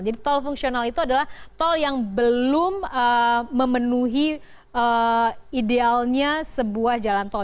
jadi tol fungsional itu adalah tol yang belum memenuhi idealnya sebuah jalan tol